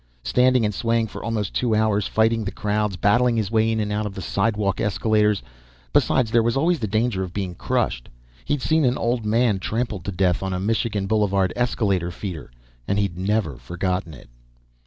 Standing and swaying for almost two hours, fighting the crowds, battling his way in and out of the sidewalk escalators. Besides, there was always the danger of being crushed. He'd seen an old man trampled to death on a Michigan Boulevard escalator feeder, and he'd never forgotten it.